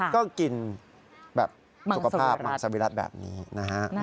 ก็กินแบบสุขภาพหมักสวิรัติแบบนี้นะฮะ